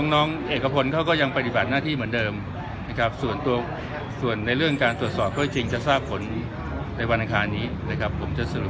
นะครับส่วนตัวส่วนในเรื่องการตรวจสอบเขาจริงจะสร้างผลในวัญคานี้นะครับผมจะสรุปด้วยปี